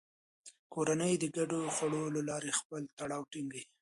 کورنۍ د ګډو خوړو له لارې خپل تړاو ټینګوي